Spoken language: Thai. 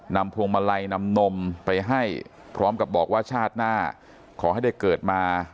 พวงมาลัยนำนมไปให้พร้อมกับบอกว่าชาติหน้าขอให้ได้เกิดมา